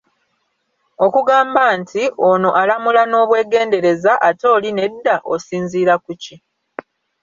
Okugamba nti: Ono alamula n'obwegendereza, ate oli nedda, osinziira ku ki?